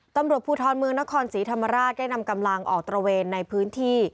ตำรวจภูทรเมืองนครศรีธรรมราชได้นำกำลังออกตระเวนในพื้นที่